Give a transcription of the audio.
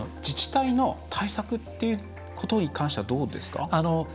自治体の対策ってことに関してはどうですか？